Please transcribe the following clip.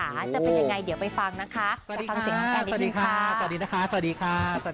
จะเป็นยังไงเดี๋ยวไปฟังนะคะสวัสดีค่ะสวัสดีค่ะ